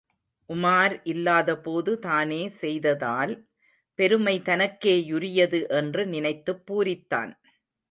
உமார் இல்லாதபோது தானே செய்ததால், பெருமை தனக்கேயுரியது என்று நினைத்துப் பூரித்தான்.